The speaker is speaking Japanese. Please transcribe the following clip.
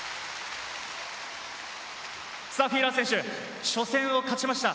フィーラー選手、初戦を勝ちました。